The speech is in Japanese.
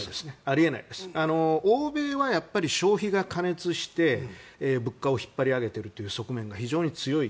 欧米は消費が過熱して物価を引っ張り上げていくという側面が非常に強い。